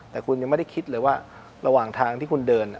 แต่คุณยังไม่ได้คิดเลยว่าระหว่างทางที่คุณเดิน